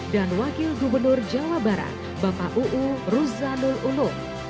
dan wakil gubernur jawa barat bapak uu ruzanul ulum